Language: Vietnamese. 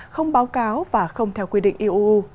không báo cáo và không theo quy định iuu